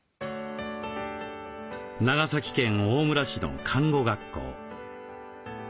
長崎県大村市の看護学校。